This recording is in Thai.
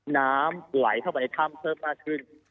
น้ำไหลเข้ามาในถ้ำเธอบหน้าขึ้น